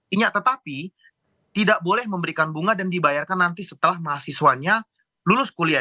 ingat tetapi tidak boleh memberikan bunga dan dibayarkan nanti setelah mahasiswanya lulus kuliah